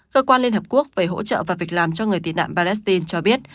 cơ quan liên hợp quốc về hỗ trợ và việc làm cho người tị nạn palestine cho biết